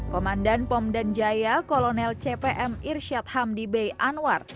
komandan pom danjaya kolonel cpm irsyad hamdi bey anwar